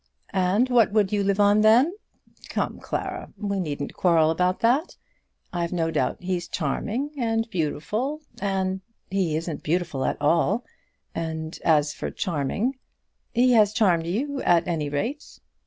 "And what would you live on then? Come Clara, we needn't quarrel about that. I've no doubt he's charming, and beautiful, and " "He isn't beautiful at all; and as for charming " "He has charmed you at any rate."